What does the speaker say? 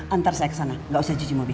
antar saya ke sana gak usah cuci mobil